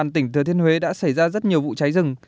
tỉnh thừa thiên huế đã xảy ra rất nhiều vụ cháy rừng